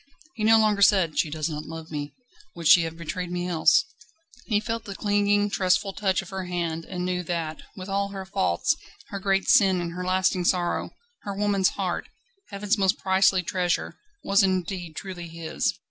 He no longer said: "She does not love me would she have betrayed me else?" He felt the clinging, trustful touch of her hand, and knew that, with all her faults, her great sin and her lasting sorrow, her woman's heart, Heaven's most priceless treasure, was indeed truly his.